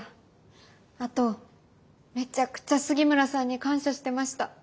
あとめちゃくちゃ杉村さんに感謝してました。